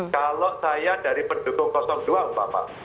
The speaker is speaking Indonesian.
kalau saya dari pendukung dua umpama